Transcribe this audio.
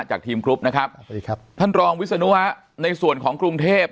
ทีมกรุ๊ปนะครับสวัสดีครับท่านรองวิศนุวะในส่วนของกรุงเทพ